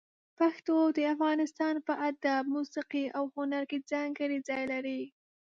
پښتو د افغانستان په ادب، موسيقي او هنر کې ځانګړی ځای لري.